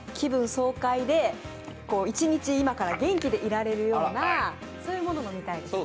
爽快で一日、今から元気でいられるようなそういうのを飲みたいですね。